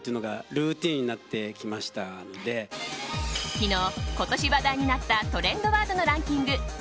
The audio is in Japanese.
昨日、今年話題になったトレンドワードのランキング